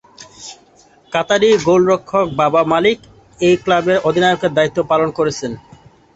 কাতারি গোলরক্ষক বাবা মালিক এই ক্লাবের অধিনায়কের দায়িত্ব পালন করছেন।